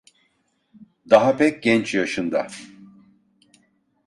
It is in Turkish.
Daha pek genç yaşında.